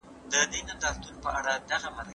د لوستونکو د معلوماتو د زياتولو لپاره څه کوئ؟